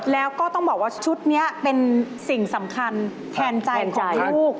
แล้วก็ต้องบอกว่าชุดนี้เป็นสิ่งสำคัญแทนใจของลูก